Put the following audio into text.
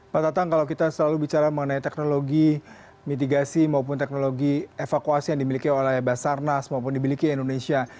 pak tatang kalau kita selalu bicara mengenai teknologi mitigasi maupun teknologi evakuasi yang dimiliki oleh basarnas maupun dimiliki indonesia